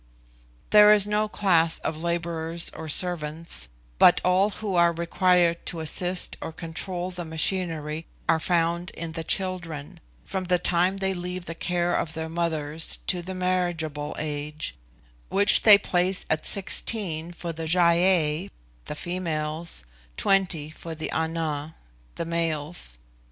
There is no class of labourers or servants, but all who are required to assist or control the machinery are found in the children, from the time they leave the care of their mothers to the marriageable age, which they place at sixteen for the Gy ei (the females), twenty for the Ana (the males).